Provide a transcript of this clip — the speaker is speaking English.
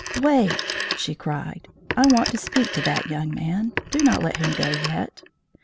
"Wait!" she cried, "I want to speak to that young man. Do not let him go yet."